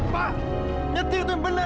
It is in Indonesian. pak nyetir tuh yang bener